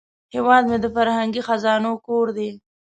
هیواد مې د فرهنګي خزانو کور دی